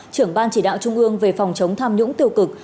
trưởng ban chỉ đạo trung ương về phòng chống tham nhũng tiêu cực